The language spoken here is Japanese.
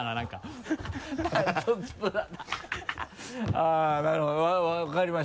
あっなるほど分かりました。